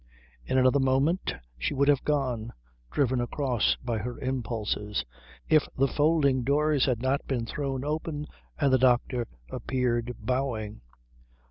In another moment she would have gone, driven across by her impulses, if the folding doors had not been thrown open and the doctor appeared bowing.